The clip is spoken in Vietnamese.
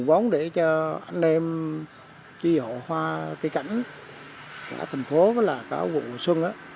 tìm countless phát diện rồi tìm ra những loại hoa khác hay nh collaboratedfs với chủ tịch áo toà cãy